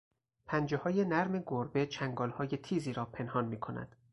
پنجههای نرم گربه چنگالهای تیزی را پنهان میکند.